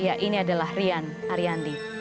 ya ini adalah rian ariandi